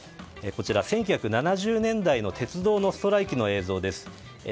１９７０年代の鉄道のストライキの映像です。